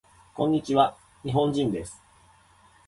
こんにちわ。日本人です。